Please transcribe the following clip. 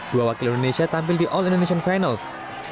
dua wakil indonesia tampil di all indonesian finals